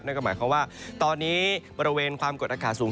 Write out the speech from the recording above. นั่นก็หมายความว่าตอนนี้บริเวณความกดอากาศสูง